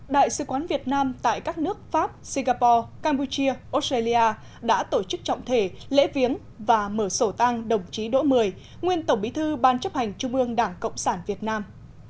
đại sứ quán việt nam tại các nước pháp singapore campuchia australia đã tổ chức trọng thể lễ viếng và mở sổ tang đồng chí đỗ mười nguyên tổng bí thư ban chấp hành trung ương đảng cộng sản việt nam